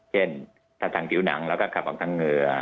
เช่นถ้าทางผิวหนังเราก็ขับออกทางเหงื่อ